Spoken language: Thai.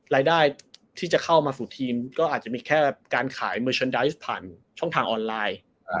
รายได้ที่จะเข้ามาสู่ทีมก็อาจจะมีแค่การขายเมอร์ชันไดซ์ผ่านช่องทางออนไลน์